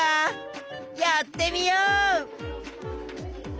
やってみよう！